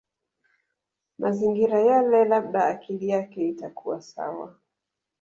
Mazingira yale labda akili yake itakuwa sawa